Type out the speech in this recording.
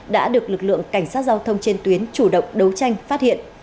đã được lực lượng cảnh sát giao thông trên tuyến chủ động đấu tranh phát hiện